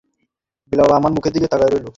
বিমলা আমার মুখের দিকে তাকিয়ে রইল।